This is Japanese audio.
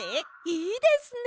いいですね。